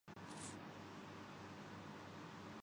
آرمینیائی